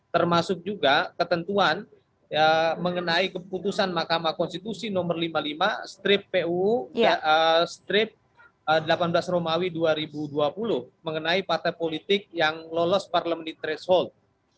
termasuk juga ketentuan mengenai keputusan mahkamah konstitusi nomor lima puluh lima strip pu strip delapan belas romawi dua ribu dua puluh mengenai partai politik yang lolos parliamentary threshold